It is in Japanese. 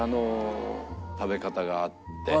食べ方があって。